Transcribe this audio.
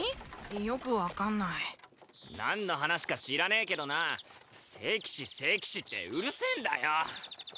よく分かんない何の話か知らねえけどな聖騎士聖騎士ってうるせえんだよ！